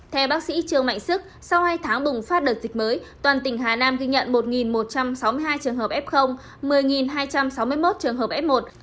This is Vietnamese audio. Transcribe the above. theo bác sĩ trương mạnh sức sau hai tháng bùng phát đợt dịch mới toàn tỉnh hà nam ghi nhận một một trăm sáu mươi hai trường hợp f một mươi hai trăm sáu mươi một trường hợp f một